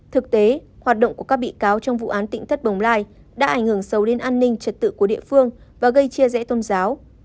thực tế hoạt động của các bị cáo trong vụ án tỉnh thất bồng lai đã ảnh hưởng sâu đến an ninh trật tự của địa phương và gây chia rẽ tôn giáo